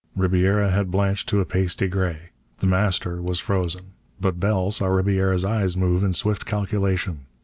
Ribiera had blanched to a pasty gray. The Master was frozen. But Bell saw Ribiera's eyes move in swift calculation.